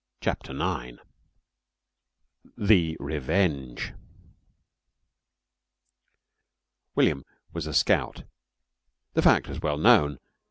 CHAPTER IX THE REVENGE William was a scout. The fact was well known.